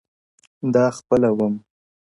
o دا خپله وم؛